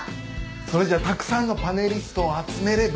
それじゃたくさんのパネリストを集めれば。